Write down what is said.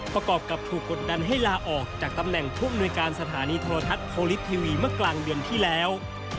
ประกอบกับถูกกดดันให้ลาออกจากตำแหน่งผู้มนุยการสถานีโทรทัศน์โพลิสทีวีเมื่อกลางเดือนที่แล้ว